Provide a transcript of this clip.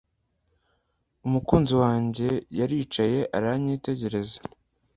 umukunzi wanjye yaricaye aranyitegereza